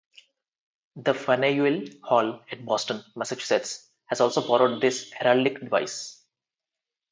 The Faneuil Hall at Boston, Massachusetts, has also borrowed this heraldic device.